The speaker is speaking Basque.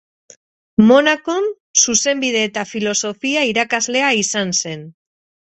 Monakon zuzenbide eta filosofia irakaslea izan zen.